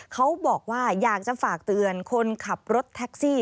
เขาบอกว่าอยากจะฝากเตือนคนขับรถแท็กซี่